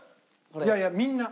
いやいやみんな。